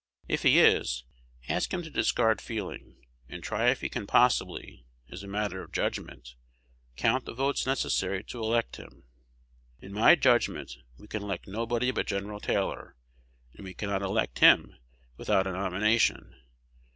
If he is, ask him to discard feeling, and try if he can possibly, as a matter of judgment, count the votes necessary to elect him. In my judgment we can elect nobody but Gen. Taylor; and we cannot elect him without a nomination.